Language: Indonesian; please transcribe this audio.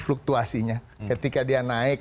fluktuasinya ketika dia naik